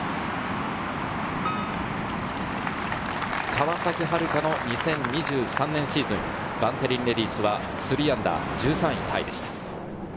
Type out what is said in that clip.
川崎春花の２０２３年シーズン、バンテリンレディスは−３、１３位タイでした。